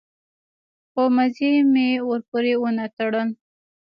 خو مزي مې ورپورې ونه تړل.